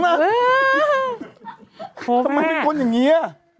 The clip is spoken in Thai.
โอ้แม่มัธนิดนึงว่าน้ำเป็คนอย่างนี้